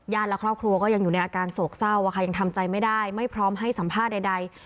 และครอบครัวก็ยังอยู่ในอาการโศกเศร้ายังทำใจไม่ได้ไม่พร้อมให้สัมภาษณ์ใด